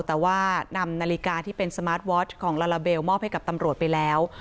แต่ว่านำนาฬิกาที่เป็นสมาร์ทวอชของลาลาเบลมอบให้กับตำรวจไปแล้ว